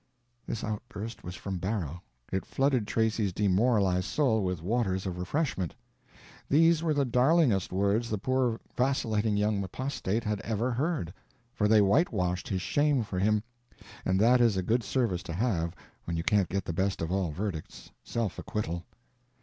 This outburst was from Barrow. It flooded Tracy's demoralized soul with waters of refreshment. These were the darlingest words the poor vacillating young apostate had ever heard—for they whitewashed his shame for him, and that is a good service to have when you can't get the best of all verdicts, self acquittal.